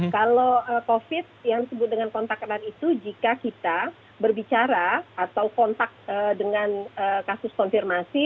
kalau covid yang disebut dengan kontak erat itu jika kita berbicara atau kontak dengan kasus konfirmasi